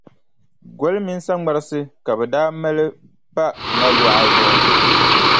Goli mini saŋmarisi ka bɛ daa maali pa ŋa luɣa zuɣu.